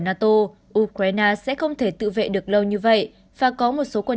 nato ukraine sẽ không thể tự vệ được lâu như vậy và có một số quân